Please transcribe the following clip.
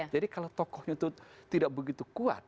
jadi kalau tokohnya itu tidak begitu kuat